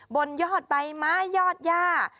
บนยอดไปม้ายอดยาก